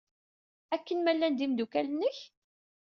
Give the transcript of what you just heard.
Akken ma llan d imeddukal-nnek?